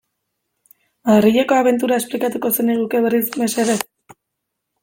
Madrileko abentura esplikatuko zeniguke berriz, mesedez?